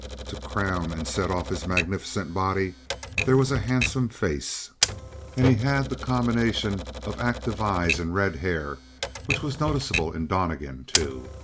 To crown and set off his magnificent body there was a handsome face; and he had the combination of active eyes and red hair, which was noticeable in Donnegan, too.